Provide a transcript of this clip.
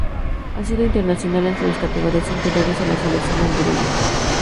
Ha sido Internacional con las Categorías Inferiores de la Selección Hondureña.